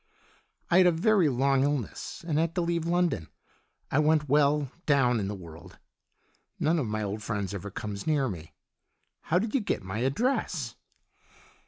" I had a very long illness and had to leave London. I went well, down in the world. None of my old friends ever comes near me. How did you get my address